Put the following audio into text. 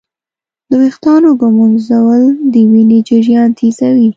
د ویښتانو ږمنځول د وینې جریان تېزوي.